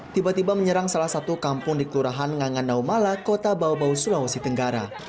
tiba tiba menyerang salah satu kampung di kelurahan ngangan naumala kota bawah sulawesi tenggara